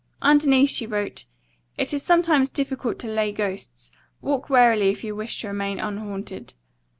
Underneath she wrote: "It is sometimes difficult to lay ghosts. Walk warily if you wish to remain unhaunted."